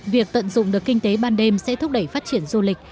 việc tận dụng được kinh tế ban đêm sẽ thúc đẩy phát triển du lịch